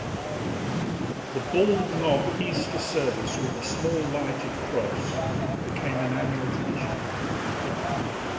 The Bald Knob Easter service with the small lighted cross became an annual tradition.